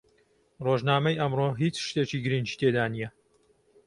ڕۆژنامەی ئەمڕۆ هیچ شتێکی گرنگی تێدا نییە.